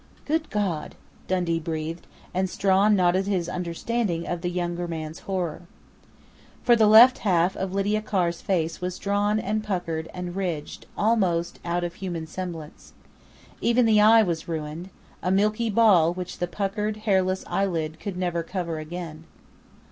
"Good God!" Dundee breathed, and Strawn nodded his understanding of the younger man's horror. For the left half of Lydia Carr's face was drawn and puckered and ridged almost out of human semblance. Even the eye was ruined a milky ball which the puckered, hairless eyelid could never cover again.